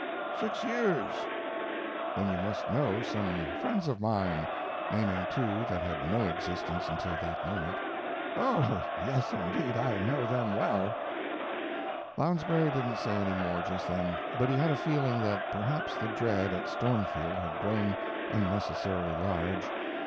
"Six years." "Then you must know some friends of mine" (naming two that had no existence until that moment). "Oh yes, indeed. I know them well." Lounsbury didn't say any more just then, but he had a feeling that perhaps the dread at Stormfield had grown unnecessarily large.